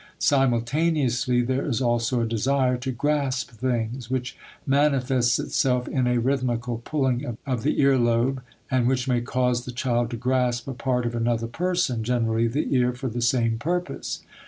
Simultaneously, there is also a desire to grasp things, which manifests itself in a rhythmical pulling of the ear lobe and which may cause the child to grasp a part of another person (generally the ear) for the same purpose.